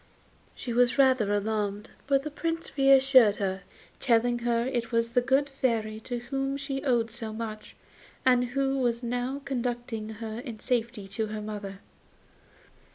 She was rather alarmed, but the Prince reassured her, telling her it was the good Fairy to whom she owed so much, and who was now conducting her in safety to her mother.